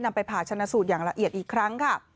ไปผ่าชนะสูตรอย่างละเอียดอีกครั้งค่ะ